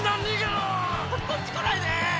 こっち来ないで！